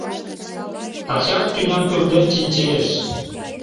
Тачат тӱням пӱрден чинчеш